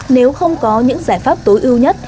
nếu không có những giải pháp tối ưu nhất